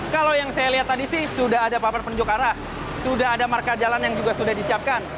kalau yang saya lihat tadi sih sudah ada papar penunjuk arah sudah ada marka jalan yang juga sudah disiapkan